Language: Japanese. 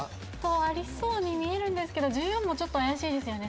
ありそうに見えるんですけど１４もちょっと怪しいですよね